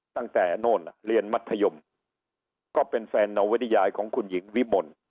ตั้งแต่โน่นเรียนมัธยมก็เป็นแฟนนวัฒนิยายของคุณหญิงวิมล